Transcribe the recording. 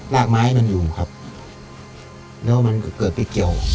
รากไม้มันอยู่ครับแล้วมันเกิดไปเกี่ยว